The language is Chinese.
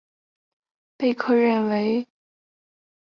贝克被认为是大联盟史上第一位全垒打王。